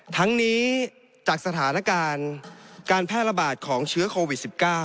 ทั้งนี้จากสถานการณ์การแพร่ระบาดของเชื้อโควิด๑๙